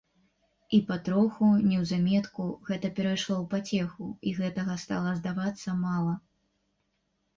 І патроху, неўзаметку, гэта перайшло ў пацеху і гэтага стала здавацца мала.